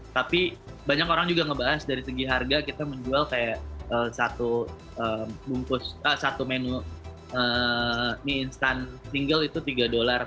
tapi banyak orang juga ngebahas dari segi harga kita menjual kayak satu bungkus satu menu mie instan single itu tiga dolar